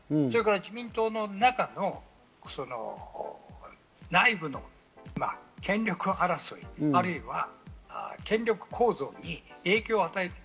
自民党の中の内部の権力争い、あるいは権力構造に影響を与える。